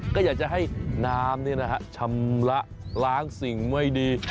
ก็อยากจะให้น้ำนี่นะครับชำระล้างสิ่งไม่ดี